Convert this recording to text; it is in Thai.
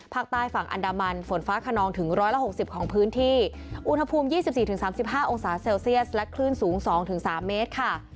ภาคใต้ฝั่งอันดามันฝนฟ้าขนองถึง๑๖๐ของพื้นที่อุณหภูมิ๒๔๓๕องศาเซลเซียสและคลื่นสูง๒๓เมตรค่ะ